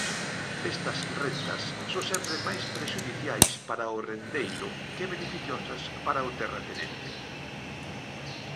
Estas rendas son sempre máis prexudiciais para o rendeiro que beneficiosas para o terratenente.